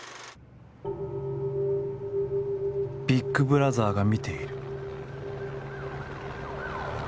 「ビッグブラザーが見ている」。